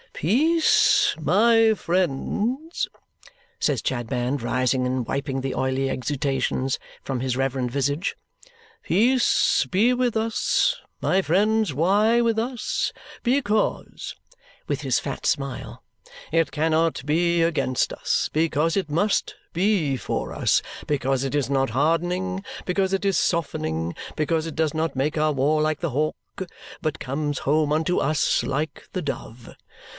"Peace, my friends," says Chadband, rising and wiping the oily exudations from his reverend visage. "Peace be with us! My friends, why with us? Because," with his fat smile, "it cannot be against us, because it must be for us; because it is not hardening, because it is softening; because it does not make war like the hawk, but comes home unto us like the dove.